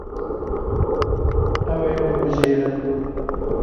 Ew ê bibijêrin.